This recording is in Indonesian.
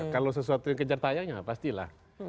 kalau sesuatu yang kejar tayang ya pastilah